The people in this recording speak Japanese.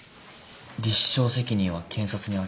立証責任は検察にある。